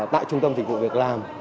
tại trung tâm tình vụ việc làm